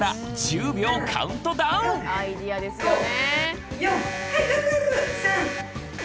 アイデアですよね。